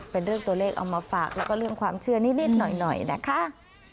เป็นเรื่องตัวเลขเอามาฝากแล้วก็เรื่องความเชื่อนิดหน่อยนะคะ